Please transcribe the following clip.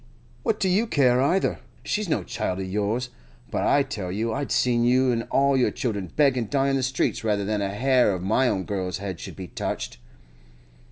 What do you care either? She's no child of yours. But I tell you I'd see you an' all your children beg an' die in the streets rather than a hair of my own girl's head should be touched!